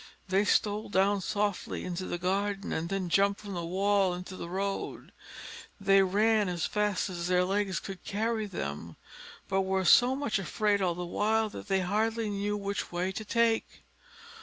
They stole down softly into the garden, and then jumped from the wall into the road: they ran as fast as their legs could carry them, but were so much afraid all the while, that they hardly knew which way to take.